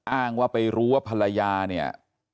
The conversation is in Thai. อ้างว่าไปรู้ว่าภรรยาเนี่ย